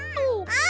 あ！